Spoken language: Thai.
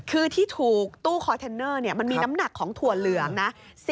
คือที่ถูกตู้คอนเทนเนอร์มันมีน้ำหนักของถั่วเหลืองนะ